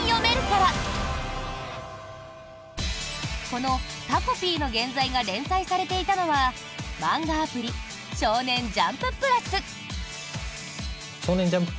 この「タコピーの原罪」が連載されていたのは漫画アプリ少年ジャンプ＋。